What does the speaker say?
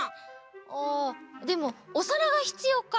あでもおさらがひつようか。